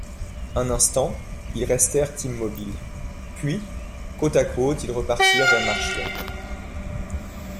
Un instant, ils restèrent immobiles ; puis, côte à côte, ils repartirent vers Marchiennes.